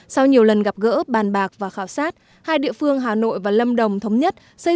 sau nhiều lần gặp gỡ bàn bạc và khảo sát hai địa phương hà nội và lâm đồng thống nhất